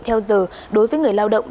theo giờ đối với người lao động